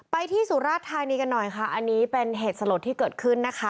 ไปที่สุราธินิกันหน่อยอันนี้เป็นเหตุสะลดที่เกิดขึ้น